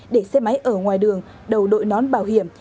để xe máy ở ngoài đường đầu đội nón bảo hiểm